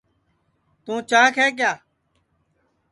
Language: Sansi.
توں چاک ہے کیا